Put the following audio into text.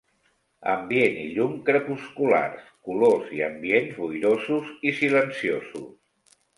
Ambient i llum crepusculars; colors i ambients boirosos i silenciosos.